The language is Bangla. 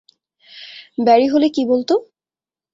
ব্যারি হলে কী বলতো?